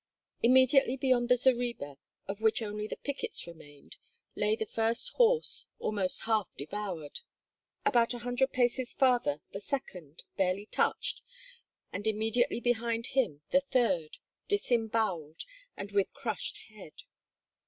Immediately beyond the zareba, of which only the pickets remained, lay the first horse almost half devoured; about a hundred paces farther the second, barely touched, and immediately behind him the third, disemboweled, and with crushed head.